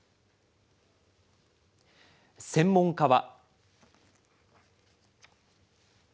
専門家は。